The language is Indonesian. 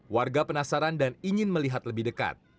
warga penasaran dan ingin melihat lebih dekat